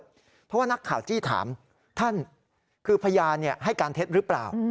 เพราะว่านักข่าวจี้ถามท่านคือพยานให้การเท็จหรือเปล่า